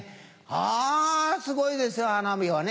あすごいですよ花火はね。